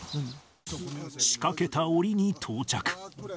仕掛けたおりに到着。